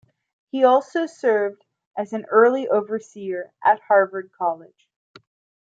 He also served as an early overseer of Harvard College.